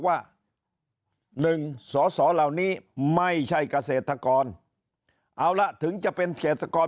ว่าหนึ่งสเรานี้ไม่ใช่กเศรษฐกรเอาล่ะถึงจะเป็นเศรษฐกร